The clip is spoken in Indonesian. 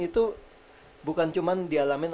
itu bukan cuman dialamin